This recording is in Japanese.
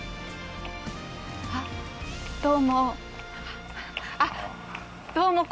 あっどうも。